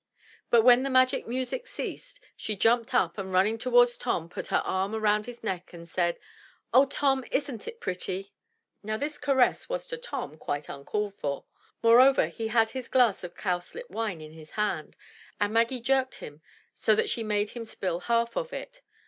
But when the magic music ceased, she jumped up, and running towards Tom, put her arm round his neck and said, "Oh, Tom, isn't it pretty?" Now this caress was to Tom quite uncalled for. Moreover he had his glass of cowslip wine in his hand, and Maggie jerked him so that she made him spill half of it.